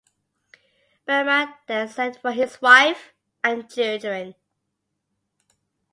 Berman then sent for his wife and children.